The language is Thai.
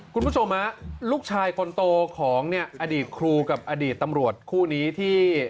คุณผู้ชมฮะลูกชายคนโตของเนี่ยอดีตครูกับอดีตตำรวจคู่นี้ที่